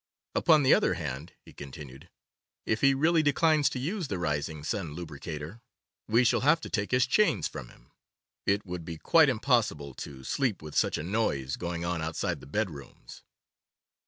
'Upon the other hand,' he continued, 'if he really declines to use the Rising Sun Lubricator, we shall have to take his chains from him. It would be quite impossible to sleep, with such a noise going on outside the bedrooms.